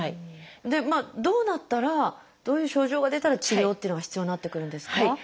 どうなったらどういう症状が出たら治療っていうのが必要になってくるんですか？